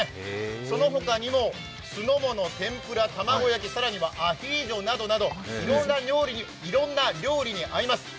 その他にも、酢の物、天ぷら、卵焼き、更には、アヒージョなどなどいろいろな料理に合います。